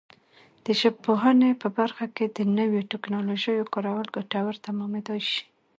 د ژبپوهنې په برخه کې د نویو ټکنالوژیو کارول ګټور تمامېدای شي.